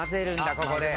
ここで。